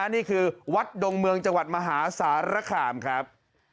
นี่คือวัดดงเมืองจังหวัดมหาสารคามครับ